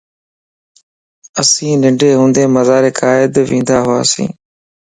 آن ننڍاھوندي مزار قائدت ونداھوياس